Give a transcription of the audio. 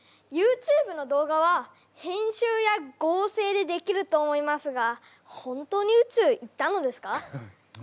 ＹｏｕＴｕｂｅの動画は編集や合成でできると思いますが本当に宇宙行ったのですか？